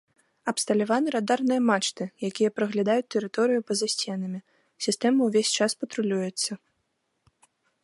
Абсталяваны радарныя мачты, якія праглядаюць тэрыторыю па-за сценамі, сістэма ўвесь час патрулюецца.